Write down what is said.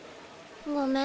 ごめん。